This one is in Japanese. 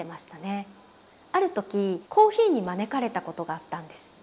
ある時コーヒーに招かれたことがあったんです。